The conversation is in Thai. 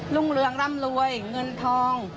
รุ่งเรืองร่ำรวยเงินทอง